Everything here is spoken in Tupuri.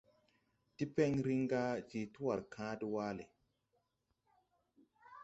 Tipen riŋ ga je twar kaa de waale.